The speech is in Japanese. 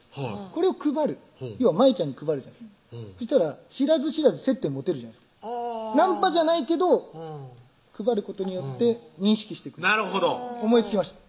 これを配る舞ちゃんに配るじゃないですかそしたら知らず知らず接点持てるじゃないですかナンパじゃないけど配ることによって認識してくれるなるほど思いつきました